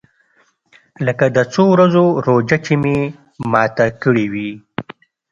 لکه د څو ورځو روژه چې مې ماته کړې وي.